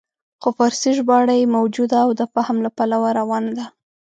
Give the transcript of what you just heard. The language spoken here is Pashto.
خو فارسي ژباړه یې موجوده او د فهم له پلوه روانه ده.